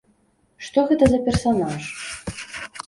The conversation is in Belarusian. Што гэта за персанаж?